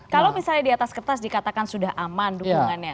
kalau misalnya di atas kertas dikatakan sudah aman dukungannya